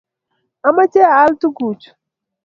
amache aal tukuchu